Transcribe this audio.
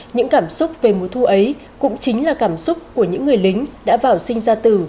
những cảm xúc về mùa thu ấy cũng chính là cảm xúc của những người lính đã vào sinh ra từ